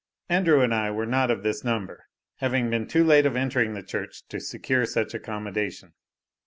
Andrew and I were not of this number, having been too late of entering the church to secure such accommodation.